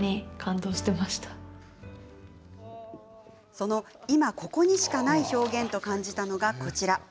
その「今ここにしかない表現」と感じたのが、こちら。